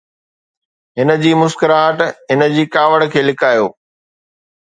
هن جي مسڪراهٽ هن جي ڪاوڙ کي لڪايو